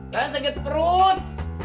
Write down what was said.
saya sakit perut